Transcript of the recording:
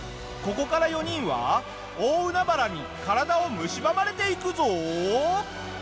ここから４人は大海原に体をむしばまれていくぞ。